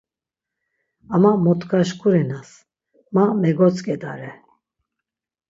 Ama mot gaşǩurinas. Ma megotzedare.